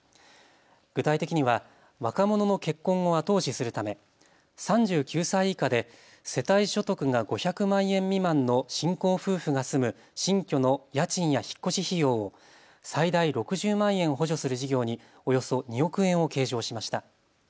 具体的には若者の結婚を後押しするため、３９歳以下で世帯所得が５００万円未満の新婚夫婦が住む新居の家賃や引っ越し費用を最大６０万円補助する事業におよそ２億円を計上しました。